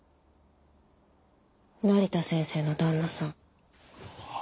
成田先生の旦那さん。